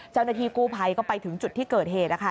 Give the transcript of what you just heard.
เจ้าหน้าที่กู้ภัยก็ไปถึงจุดที่เกิดเหตุนะคะ